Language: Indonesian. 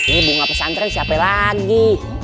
ini bunga pesantren siapa lagi